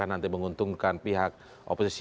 nanti menguntungkan pihak oposisi